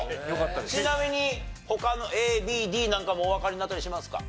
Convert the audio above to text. ちなみに他のＡＢＤなんかもおわかりになったりしますか？